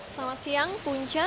selamat siang punca